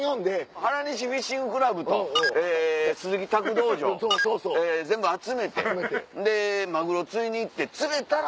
原西フィッシングクラブと鈴木拓道場全部集めてマグロ釣りに行って釣れたら。